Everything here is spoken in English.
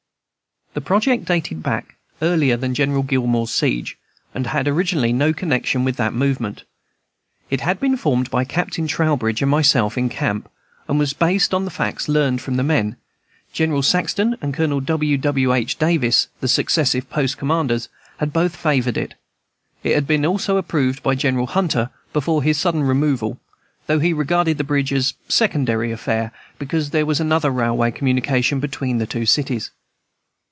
The project dated back earlier than General Gillmore's siege, and had originally no connection with that movement. It had been formed by Captain Trowbridge and myself in camp, and was based on facts learned from the men. General Saxton and Colonel W. W. H. Davis, the successive post commanders, had both favored it. It had been also approved by General Hunter, before his sudden removal, though he regarded the bridge as a secondary affair, because there was another railway communication between the two cities.